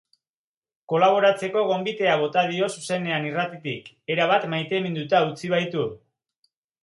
Kolaboratzeko gonbitea bota dio zuzenean irratitik, erabat maiteminduta utzi baitu.